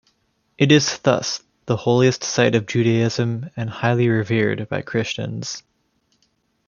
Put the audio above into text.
It is thus the holiest site of Judaism and highly revered by Christians.